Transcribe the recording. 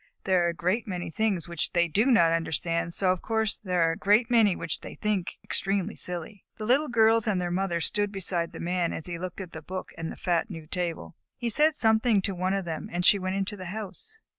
There are a great many things which they do not understand, so, of course, there are a great many which they think extremely silly. The Little Girls and their mother stood beside the Man as he looked at the book and the fat new table. He said something to one of them and she went into the house.